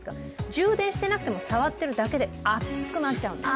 充電していなくても、触っているだけで熱くなっちゃうんです。